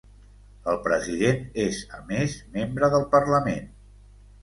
El president és a més membre del parlament.